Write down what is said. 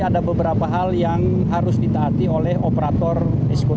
ada beberapa hal yang harus ditaati oleh operator eksekutif